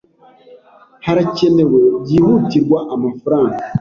Harakenewe byihutirwa amafaranga.